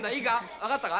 分かったか？